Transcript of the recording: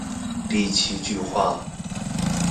第七句話